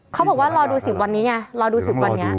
เขาบอกว่ารอดู๑๐วันนี้